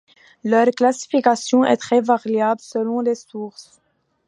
Leur classification est très variable selon les sources.